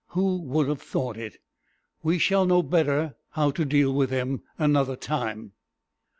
Who would have thought it? We shall better know how to deal with them another time."